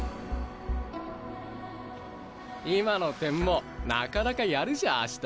今の点もなかなかやるじゃ葦人！